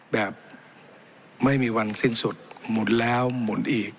แบบไม่มีวันสิ้นสุดหมุนแล้วหมุนอีก